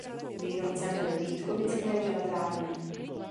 Výrobcem byly Vítkovické železárny.